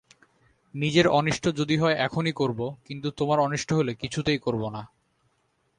নিজের অনিষ্ট যদি হয় এখনই করব, কিন্তু তোমার অনিষ্ট হলে কিছুতেই করব না।